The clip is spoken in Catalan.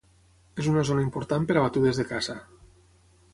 És una zona important per a batudes de caça.